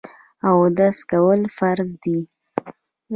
اودس کول فرض دي.